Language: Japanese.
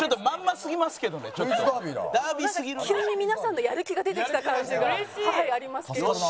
急に皆さんのやる気が出てきた感じがありますけれども。